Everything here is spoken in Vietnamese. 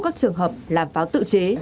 các trường hợp làm pháo tự chế